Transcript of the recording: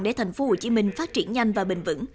để tp hcm phát triển nhanh và bền vững